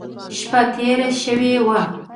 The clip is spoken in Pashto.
شپه تېره شوې وه.